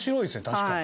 確かに。